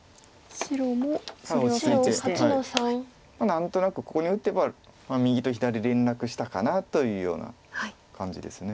何となくここに打てば右と左連絡したかなというような感じです。